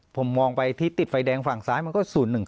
ผมมองไปที่ติดไฟแดงฝั่งซ้ายมันก็๐๑๒